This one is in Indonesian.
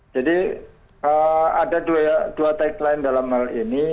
jadi ada dua tagline dalam hal ini